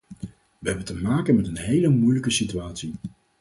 Wij hebben te maken met een hele moeilijke situatie.